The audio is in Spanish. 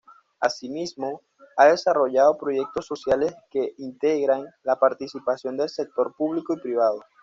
Asimismo, ha desarrollado proyectos sociales que integran la participación del sector público y privado.